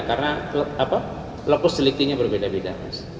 karena lepus deliktinya berbeda beda